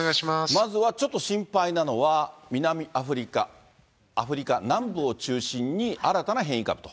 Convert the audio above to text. まずはちょっと心配なのは、南アフリカ、南部を中心に、新たな変異株と。